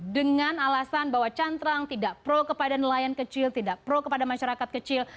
dengan alasan bahwa cantrang tidak pro kepada nelayan kecil tidak pro kepada masyarakat kecil